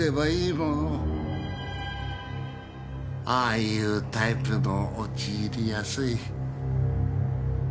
ああいうタイプの陥りやすい落とし穴だな。